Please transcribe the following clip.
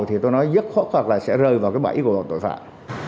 với yêu cầu thì tôi nói dứt khoát hoặc là sẽ rơi vào cái bẫy của tội phạm